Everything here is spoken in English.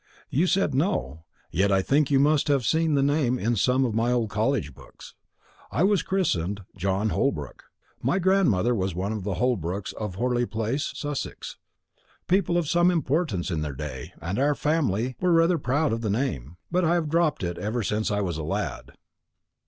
You said no; yet I think you must have seen the name in some of my old college books. I was christened John Holbrook. My grandmother was one of the Holbrooks of Horley place, Sussex, people of some importance in their day, and our family were rather proud of the name. But I have dropped it ever since I was a lad."